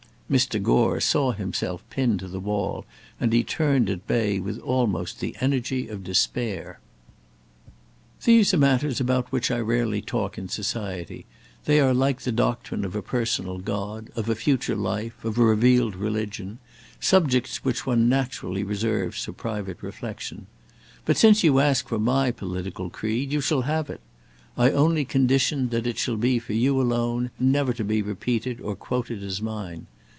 Mr. Gore saw himself pinned to the wall, and he turned at bay with almost the energy of despair: "These are matters about which I rarely talk in society; they are like the doctrine of a personal God; of a future life; of revealed religion; subjects which one naturally reserves for private reflection. But since you ask for my political creed, you shall have it. I only condition that it shall be for you alone, never to be repeated or quoted as mine.